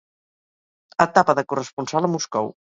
Etapa de corresponsal a Moscou.